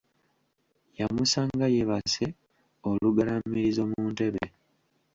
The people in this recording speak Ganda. Yamusanga yeebase olugalaamirizo mu ntebe.